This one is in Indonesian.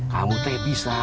kamu teh bisa